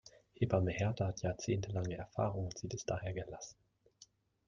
Hebamme Hertha hat jahrzehntelange Erfahrung und sieht es daher gelassen.